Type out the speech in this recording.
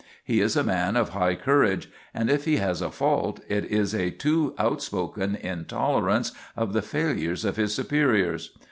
He is a man of high courage, and if he has a fault, it is a too outspoken intolerance of the failures of his superiors.